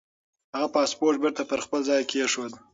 هغه پاسپورت بېرته پر خپل ځای کېښود.